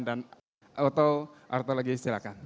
dan atau artologi silakan